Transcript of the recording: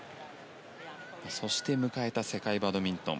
そして、迎えた世界バドミントン。